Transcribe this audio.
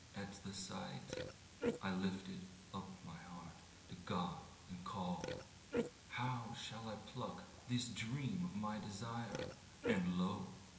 At the sightI lifted up my heart to God and called:How shall I pluck this dream of my desire? And lo!